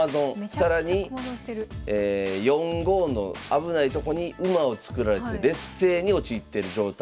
更に４五の危ないとこに馬を作られて劣勢に陥ってる状態。